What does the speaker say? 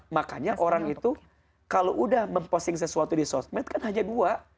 makanya orang itu kalau udah memposting sesuatu di sosmed kan hanya dua